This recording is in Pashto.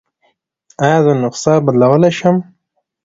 ایا زه نسخه بدلولی شم؟